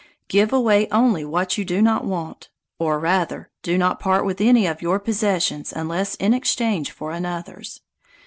Give away only what you do not want; or rather, do not part with any of your possessions unless in exchange for another's.